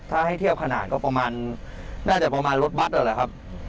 ถ้าแถวขนาดก็ประมาณก็น่าจะประมาณรถบัดละครับ